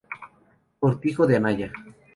Cortijo de Anaya.